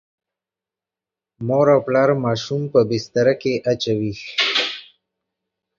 مور او پلار ماشوم په بستره کې اچوي.